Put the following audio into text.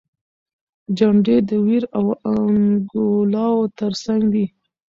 جنډې د ویر او انګولاوو تر څنګ دي.